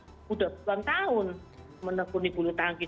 sudah puluhan tahun menekuni bulu tangkis